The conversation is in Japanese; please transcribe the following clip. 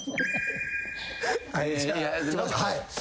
はい。